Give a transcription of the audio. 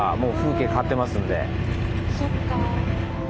そっか。